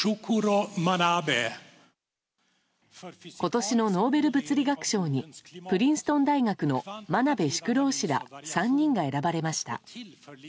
今年のノーベル物理学賞にプリンストン大学の真鍋淑郎氏ら３人が選ばれました。